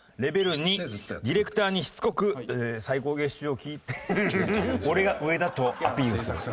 ２「ディレクターにしつこく最高月収を聞いて俺が上だとアピールする」。